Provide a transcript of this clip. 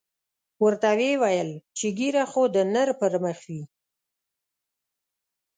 ورته ویې ویل چې ږیره خو د نر پر مخ وي.